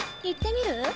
行ってみる？